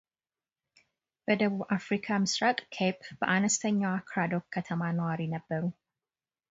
በደቡብ አፍሪካ ምሥራቅ ኬፕ በአነስተኛዋ ክራዶክ ከተማ ነዋሪ ነበሩ።